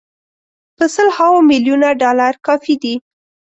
په سل هاوو میلیونه ډالر کافي دي.